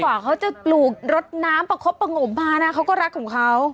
กว่าเขาจะปลูกรสน้ำประคบประงมมานะเขาก็รักของเขา